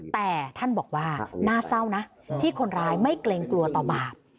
แต่ท่านบอกว่าน่าเศร้านะที่คนร้ายไม่เกรงกลัวต่อบาป